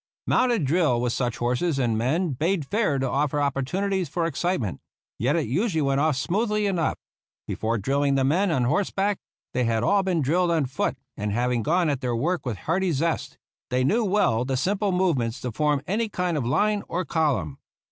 Mounted drill with such horses and men bade fair to offer opportunities for excitement; yet it usually went off smoothly enough. Before drill ing the men on horseback they had all been drilled on foot, and having gone at their work with hearty zest, they knew well the simple move ments to form any kind of line or column.